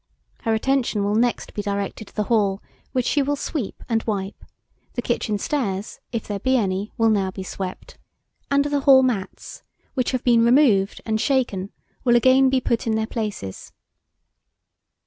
Her attention will next be directed to the hall, which she will sweep and wipe; the kitchen stairs, if there be any, will now be swept; and the hall mats, which have been removed and shaken, will be again put in their places.